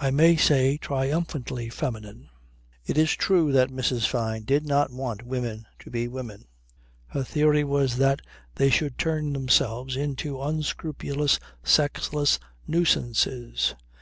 I may say triumphantly feminine. It is true that Mrs. Fyne did not want women to be women. Her theory was that they should turn themselves into unscrupulous sexless nuisances.